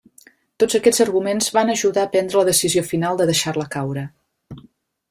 Tots aquests arguments van ajuda a prendre la decisió final de deixar-la caure.